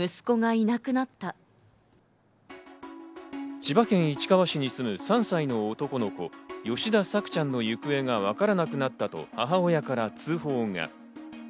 千葉県市川市に住む３歳の男の子・吉田朔ちゃんの行方がわからなくなったと母親から通報が。